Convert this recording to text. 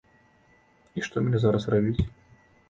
І што мяне зараз рабіць?